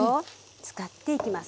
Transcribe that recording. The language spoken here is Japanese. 使っていきます。